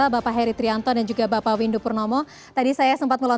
bagaimana dengan endemi